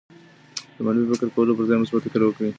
د منفي فکر کولو پر ځای مثبت فکر وکړئ.